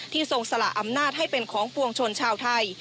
ทรงสละอำนาจให้เป็นของปวงชนชาวไทย